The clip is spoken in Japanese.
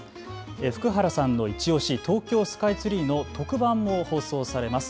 福原さんのいちオシ、東京スカイツリーの特番も放送されます。